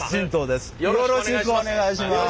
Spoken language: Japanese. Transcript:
よろしくお願いします。